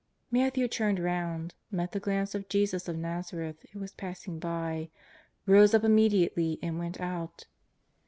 Matthew turned round, met the glance of Jesus of ITazareth, who was passing by, rose up immediately, and went out.